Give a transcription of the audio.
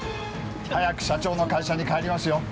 早く社長の会社に帰りますよ。